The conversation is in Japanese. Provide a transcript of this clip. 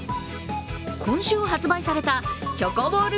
今週発売されたチョコボール